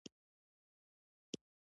ادبیات د انسان فکر او احساس روزي.